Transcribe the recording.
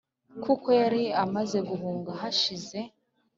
kuko yari amaze guhuga hashize